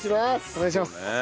お願いします。